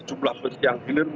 jumlah bus yang hilir